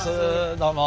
どうも。